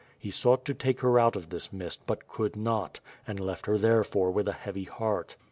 He sought to take her out of this mist but could not, and left her therefore with a heavy heart.